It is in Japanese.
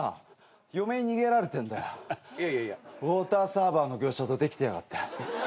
ウオーターサーバーの業者とできてやがった。